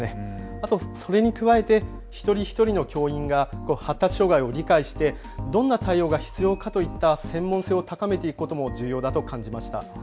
あとそれに加えて一人一人の教員が発達障害を理解してどんな対応が必要かといった専門性を高めていくことも重要だと感じました。